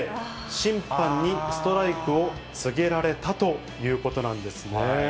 審判にストライクを告げられたということなんですね。